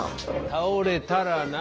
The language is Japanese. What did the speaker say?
倒れたらな。